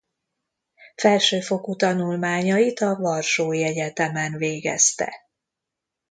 Felsőfokú tanulmányait a Varsói Egyetemen végezte.